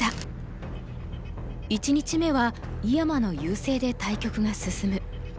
１日目は井山の優勢で対局が進む。